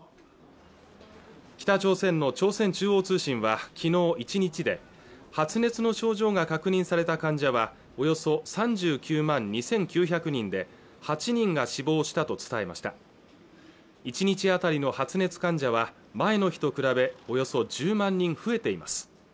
北朝鮮の朝鮮中央通信はきのう１日で発熱の症状が確認された患者はおよそ３９万２９００人で８人が死亡したと伝えました１日あたりの発熱患者は前の日と比べおよそ１０万人増えています